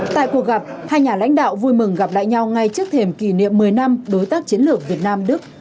tại cuộc gặp hai nhà lãnh đạo vui mừng gặp lại nhau ngay trước thềm kỷ niệm một mươi năm đối tác chiến lược việt nam đức